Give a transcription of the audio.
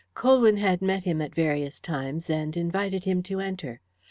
Colwyn had met him at various times, and invited him to enter.